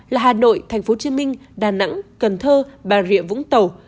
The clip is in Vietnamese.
là hà nội tp hcm đà nẵng cần thơ bà rịa vũng tàu